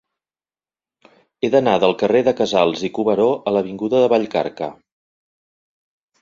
He d'anar del carrer de Casals i Cuberó a l'avinguda de Vallcarca.